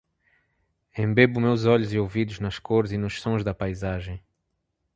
embebo meus olhos e ouvidos nas cores e nos sons da paisagem